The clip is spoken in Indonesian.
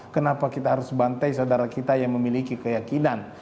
kenapa kita harus bantai saudara kita yang memiliki keyakinan